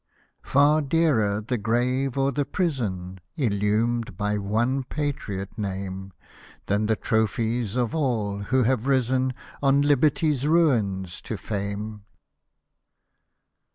Far dearer the grave or the prison, Illumed by one patriot name. Than the trophies of all, who have risen On Liberty's ruins to fame.